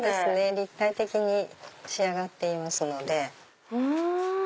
立体的に仕上がっていますので。